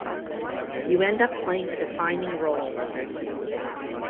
You end up playing a defining role.